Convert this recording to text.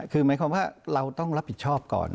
คือหมายความว่าเราต้องรับผิดชอบก่อน